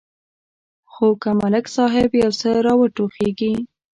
خو که ملک صاحب یو څه را وټوخېږي.